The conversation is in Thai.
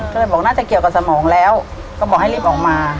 ก็เลยบอกน่าจะเกี่ยวกับสมองแล้วก็บอกให้รีบออกมา